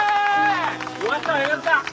よかったよかった！